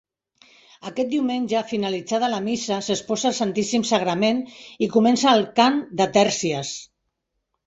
Aquest diumenge, finalitzada la missa, s'exposa el Santíssim Sagrament i comença el cant de tèrcies.